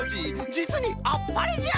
じつにあっぱれじゃ！